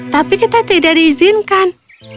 tapi kita tidak diizinkan